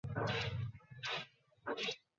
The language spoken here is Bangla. এটা কেমন মজার ছিল?